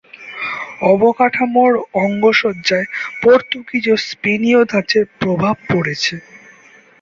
অবকাঠামোর অঙ্গসজ্জ্বায় পর্তুগিজ ও স্পেনীয় ধাঁচের প্রভাব পড়েছে।